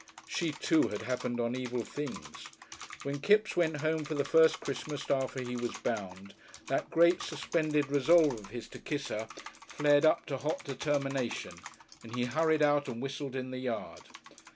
She, too, had happened on evil things. When Kipps went home for the first Christmas after he was bound, that great suspended resolve of his to kiss her flared up to hot determination, and he hurried out and whistled in the yard.